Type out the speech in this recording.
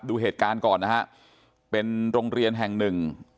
ดูเหตุการณ์ก่อนนะฮะเป็นโรงเรียนแห่งหนึ่ง